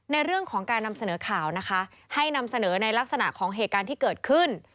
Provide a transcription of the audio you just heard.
ในเรื่องของการนำเสนอข่าวนะคะให้นำเสนอในลักษณะของเหตุการณ์ที่เกิดขึ้น